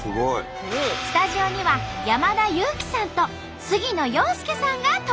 スタジオには山田裕貴さんと杉野遥亮さんが登場。